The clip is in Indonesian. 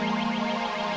jangan jangan itu amira